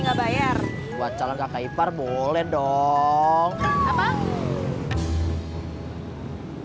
nggak bayar buat calon kakai par boleh dong apa enggak